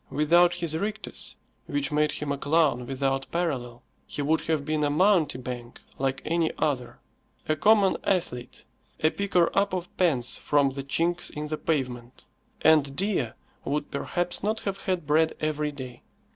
Without his rictus, which made him a clown without parallel, he would have been a mountebank, like any other; a common athlete, a picker up of pence from the chinks in the pavement, and Dea would perhaps not have had bread every day.